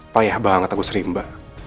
paya banget aku serimba